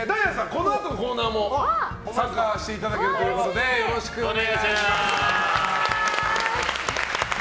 このあとのコーナーも参加していただけるということでお願いします。